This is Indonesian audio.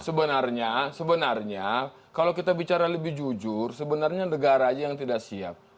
sebenarnya sebenarnya kalau kita bicara lebih jujur sebenarnya negara aja yang tidak siap